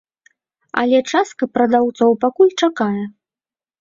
Але частка прадаўцоў пакуль чакае.